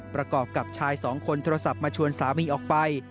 ประกอบกับชายสองคนโทรศัพท์มาชวนสามีออกไป